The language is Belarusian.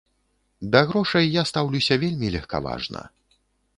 Да грошай я стаўлюся вельмі легкаважна.